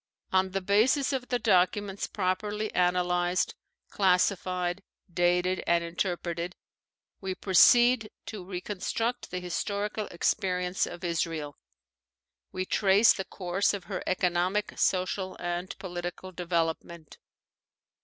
On the basis of the documents properly analyzed, classified, dated, and interpreted we proceed to reconstruct the historical experience of Israel. We trace the course of her economic, social, and political development.